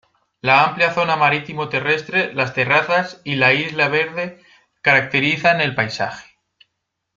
La amplia zona marítimo-terrestre, las terrazas y la Isle Verde caracterizan el paisaje.